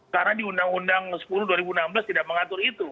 karena di undang undang sepuluh dua ribu enam belas tidak mengatur itu